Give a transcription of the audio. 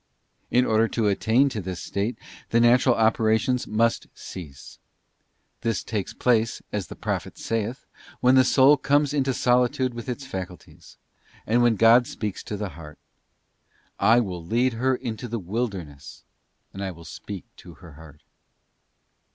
In order to attain to this state, the natural operations must cease. This takes place, as the Prophet saith, when the soul comes into solitude with its faculties, and when God speaks to the heart: 'I... will lead her into the wilderness, and I will speak to her heart.